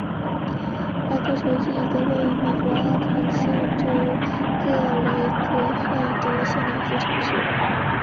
莱克城是一个位于美国阿肯色州克雷格黑德县的城市。